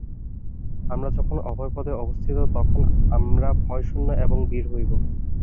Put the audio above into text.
আমরা যখন অভয়পদে অবস্থিত, তখন আমরা ভয়শূন্য এবং বীর হইব।